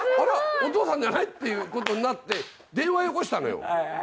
お父さんじゃない？っていうことになって電話よこしたのよ